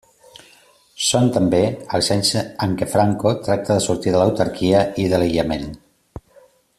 Són, també, els anys en què Franco tracta de sortir de l'autarquia i de l'aïllament.